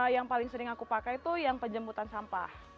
yang paling sering aku pakai itu yang penjemputan sampah